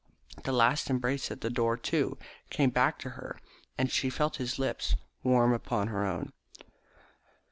That last embrace at the door, too, came back to her, and she felt his lips warm upon her own.